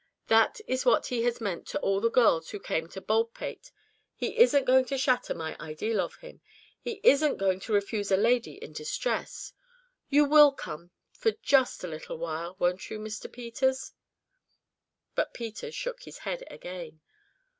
That is what he has meant to all the girls who came to Baldpate. He isn't going to shatter my ideal of him he isn't going to refuse a lady in distress. You will come for just a little while, won't you, Mr. Peters?" But Peters shook his head again.